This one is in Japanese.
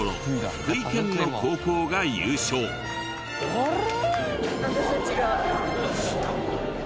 あれ？